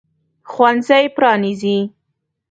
ښوونځی پرانیزي.